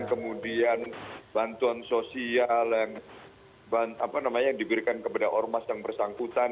kemudian bantuan sosial yang diberikan kepada ormas yang bersangkutan